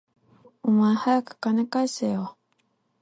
お前、はやく金返せよ